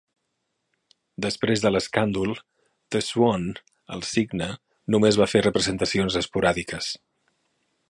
Després de l'escàndol, The Swan 'el cigne', només va fer representacions esporàdiques.